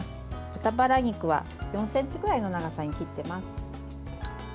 豚バラ肉は４ｃｍぐらいの長さに切ってます。